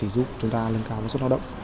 giúp chúng ta lên cao sức hoạt động